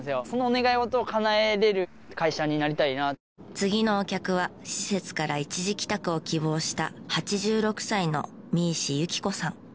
次のお客は施設から一時帰宅を希望した８６歳の実石行子さん。